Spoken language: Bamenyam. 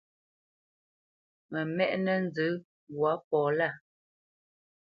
Mə mɛ́ʼnə̄ nzə mbwǎ pɔ lâ.